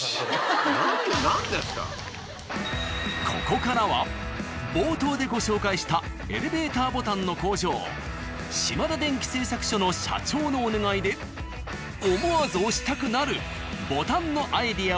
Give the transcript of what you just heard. ここからは冒頭でご紹介したエレベーターボタンの工場「島田電機製作所」の社長のお願いで。を考案。